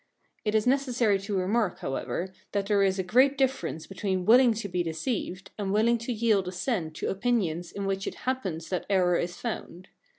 It is necessary to remark, however, that there is a great difference between willing to be deceived, and willing to yield assent to opinions in which it happens that error is found.